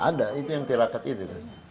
ada itu yang tirakat itu